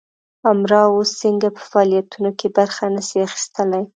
امراو سینګه په فعالیتونو کې برخه نه سي اخیستلای.